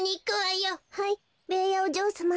はいベーヤおじょうさま。